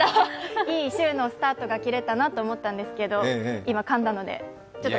いい週のスタートが切れたなと思ったんですが、今、かんだので、ちょっと。